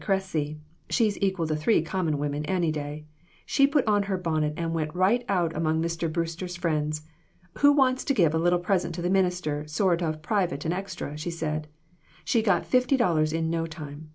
Cressy she's equal to three common women any day she put on her bonnet and went right out among Mr. Brewster's friends. ' Who wants to give a little present to the min ister, sort o' private and extra ?' she said. She got fifty dollars in no time.